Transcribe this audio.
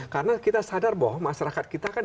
karena kita sadar bahwa masyarakat kita kan